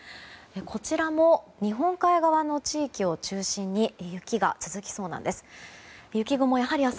こちらも日本海側の地域を中心に雪が続きそうなんです。